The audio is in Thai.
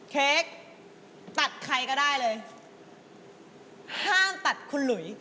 เค้กตัดใครก็ได้เลยห้ามตัดคุณหลุย